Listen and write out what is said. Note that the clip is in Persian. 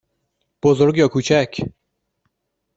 بزرگ یا کوچک؟